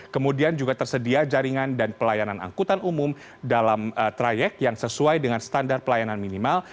kemudian juga tersedia jaringan dan pelayanan angkutan umum dalam trayek yang sesuai dengan standar pelayanan minimal